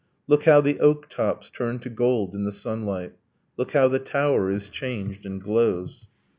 'Look how the oak tops turn to gold in the sunlight! Look how the tower is changed and glows!'